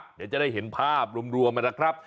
เดี๋ยวจะได้เห็นภาพรวมนะครับ